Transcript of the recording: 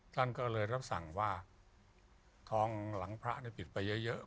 ท่านก็เลยรับสั่งว่าทองหลังพระปิดไปเยอะ